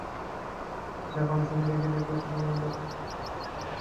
কিন্তু জাপানের ছবি দেখো, দেখবে, তুমি যেন জাপানের নিঃশ্বাস-প্রশ্বাসের মধ্যেই আছ।